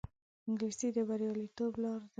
انګلیسي د بریالیتوب لار ده